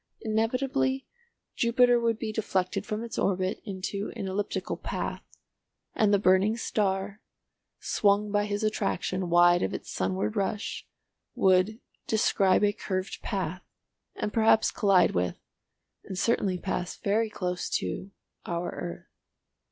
Inevitably Jupiter would be deflected from its orbit into an elliptical path, and the burning star, swung by his attraction wide of its sunward rush, would "describe a curved path" and perhaps collide with, and certainly pass very close to, our earth.